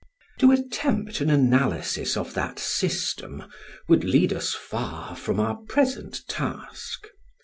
To attempt an analysis of that system would lead us far from our present task.